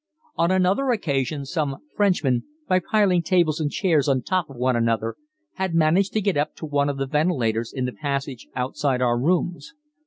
On another occasion some Frenchmen, by piling tables and chairs on top of one another, had managed to get up to one of the ventilators in the passage outside our rooms.